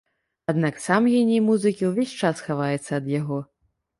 Аднак сам геній музыкі ўвесь час хаваецца ад яго.